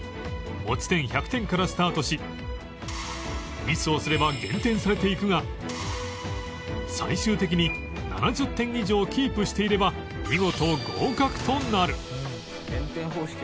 持ち点１００点からスタートしミスをすれば減点されていくが最終的に７０点以上キープしていれば見事合格となる